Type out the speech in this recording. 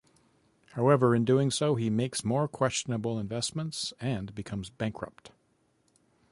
However, in doing so, he makes more questionable investments and becomes bankrupt.